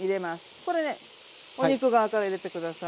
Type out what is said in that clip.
これねお肉側から入れて下さい。